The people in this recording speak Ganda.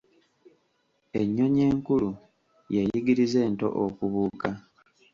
Ennyonyi enkulu y’eyigiriza ento okubuuka